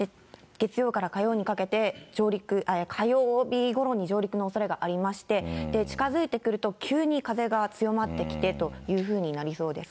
月曜から火曜にかけて上陸、火曜日ごろに上陸のおそれがありまして、近づいてくると急に風が強まってきてとなりそうです。